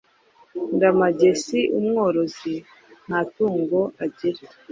Ndamage si umworozi nta tungo agira.